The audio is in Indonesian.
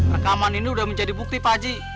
rekaman ini udah menjadi bukti paji